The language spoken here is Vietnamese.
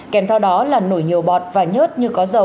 kèm theo đó là nổi nhiều bọt và nhớt như có dầu